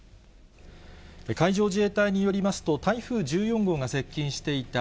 海上自衛隊によりますと、台風１４号が接近していた